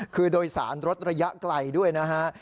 คือโดยสารรถระยะไกลด้วยนะฮะ